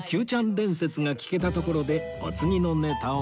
伝説が聞けたところでお次のネタは